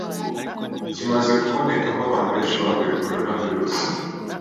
kimaze kubonekamo abantu benshi banduye coronavirus